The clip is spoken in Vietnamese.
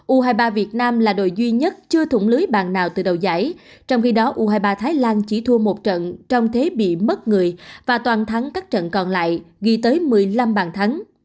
u hai mươi ba việt nam là đội duy nhất chưa thủng lưới bàn nào từ đầu giải trong khi đó u hai mươi ba thái lan chỉ thua một trận trong thế bị mất người và toàn thắng các trận còn lại ghi tới một mươi năm bàn thắng